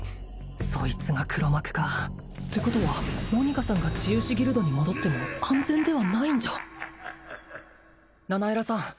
そいつが黒幕かってことはモニカさんが治癒士ギルドに戻っても安全ではないんじゃナナエラさん